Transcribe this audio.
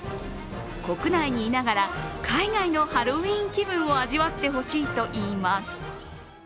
国内にいながら、海外のハロウィーン気分を味わってほしいといいます。